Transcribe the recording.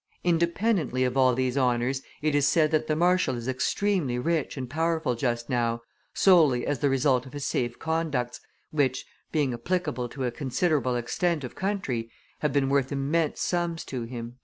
Independently of all these honors, it is said that the marshal is extremely rich and powerful just now, solely as the result of his safe conducts, which, being applicable to a considerable extent of country, have been worth immense sums to him."